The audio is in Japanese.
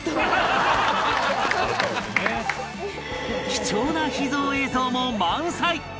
貴重な秘蔵映像も満載！